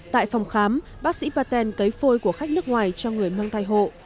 tại phòng khám bác sĩ paten cấy phôi của khách nước ngoài cho người mang thai hộ